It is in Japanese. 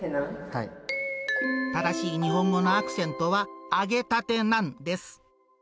正しい日本語のアクセントは、揚げたてナンです。